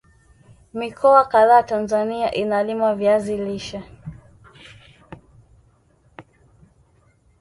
mikoa kadhaa Tanzania inalima viazi lishe